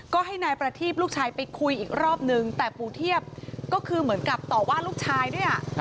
ก็ให้นายประทีบลูกชายไปคุยอีกรอบนึงแต่ปู่เทียบก็คือเหมือนกับต่อว่าลูกชายด้วย